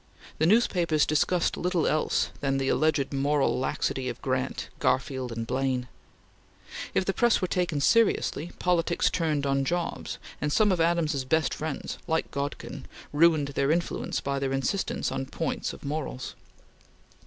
The newspapers discussed little else than the alleged moral laxity of Grant, Garfield, and Blaine. If the press were taken seriously, politics turned on jobs, and some of Adams's best friends, like Godkin, ruined their influence by their insistence on points of morals.